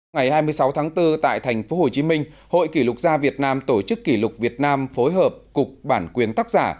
ngày hai mươi sáu tháng bốn tại tp hcm hội kỷ lục gia việt nam tổ chức kỷ lục việt nam phối hợp cục bản quyền tác giả